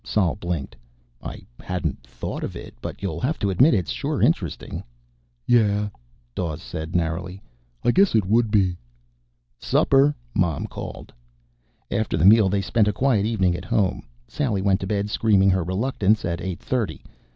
Sol blinked. "I hadn't thought of it. But you'll have to admit it's sure interesting." "Yeah," Dawes said narrowly. "I guess it would be." "Supper!" Mom called. After the meal, they spent a quiet evening at home. Sally went to bed, screaming her reluctance, at eight thirty.